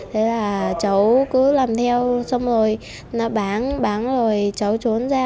thế là cháu cứ làm theo xong rồi nó bán rồi cháu trốn ra